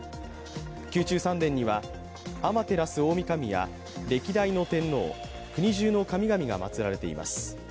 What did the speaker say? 宮中三殿には天照大御神や歴代の天皇国中の神々が祭られています。